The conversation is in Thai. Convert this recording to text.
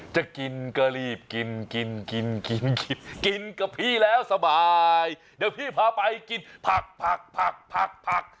จะกินก็รีบกินกินกินกินกับพี่แล้วสบายเดี๋ยวพี่พาไปกินผักผักผักผัก